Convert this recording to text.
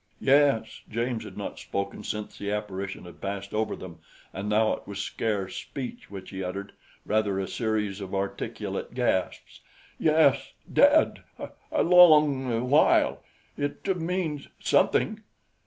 "Yes!" James had not spoken since the apparition had passed over them, and now it was scarce speech which he uttered rather a series of articulate gasps. "Yes dead a long while. It means something.